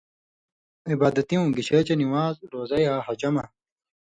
عِبادتیوں، گِشے چے نِوان٘ز، روزہ یا حجہ، مہ۔